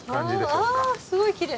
あすごいきれい。